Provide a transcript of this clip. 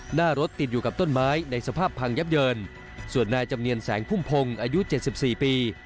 หน้ารถติดอยู่กับต้นไม้ในสภาพพังยับเยินส่วนนายจำเนียนแสงพุ่มพงศ์อายุ๗๔ปี